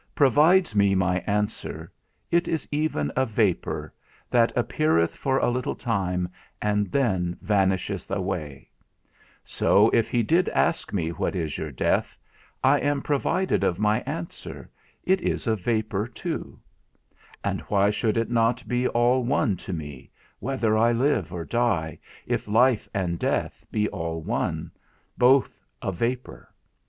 _ provides me my answer, It is even a vapour, that appeareth for a little time, and then vanisheth away; so, if he did ask me what is your death, I am provided of my answer, it is a vapour too; and why should it not be all one to me, whether I live or die, if life and death be all one, both a vapour?